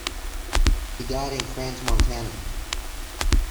He died in Crans-Montana.